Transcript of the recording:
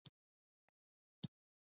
خاص مزیت ګڼي.